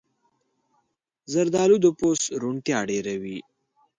زردالو د پوست روڼتیا ډېروي.